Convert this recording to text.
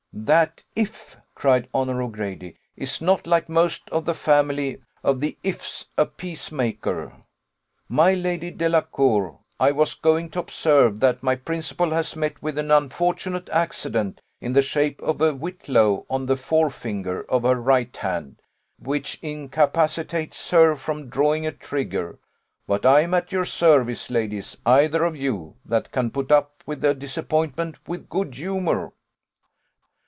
'That if,' cried Honour O'Grady, 'is not, like most of the family of the ifs, a peace maker. My Lady Delacour, I was going to observe that my principal has met with an unfortunate accident, in the shape of a whitlow on the fore finger of her right hand, which incapacitates her from drawing a trigger; but I am at your service, ladies, either of you, that can't put up with a disappointment with good humour.